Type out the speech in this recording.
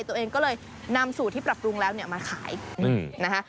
ตัวเองก็เลยนำสูตรที่ปรับปรุงแล้วเนี่ยมาขายนะคะ